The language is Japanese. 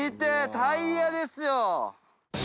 タイヤですよ。